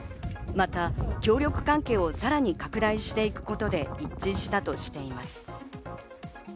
また協力関係をさらに拡大していくことで一致したとしています。